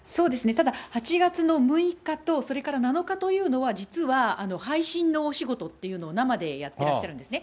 ただ、８月の６日と、それから７日というのは、実は配信のお仕事っていうのを生でやってらっしゃるんですね。